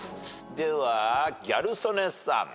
ではギャル曽根さん。